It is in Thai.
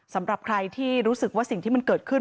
สำหรับใครที่รู้สึกว่าสิ่งที่มันเกิดขึ้น